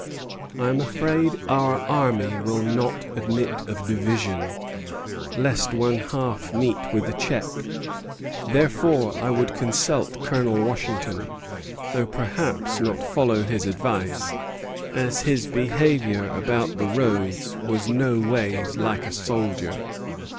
I am afraid our army will not admit of division, lest one half meet with a check; therefore I would consult Colonel Washington, though perhaps not follow his advice, as his behavior about the roads was noways like a soldier.